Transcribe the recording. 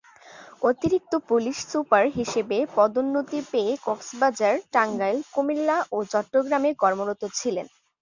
অতিরিক্ত police super হিসেবে পদোন্নতি পেয়ে কক্সবাজার, টাঙ্গাইল, কুমিল্লা ও চট্টগ্রামে কর্মরত ছিলেন।